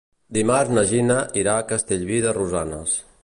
Dimarts na Gina irà a Castellví de Rosanes.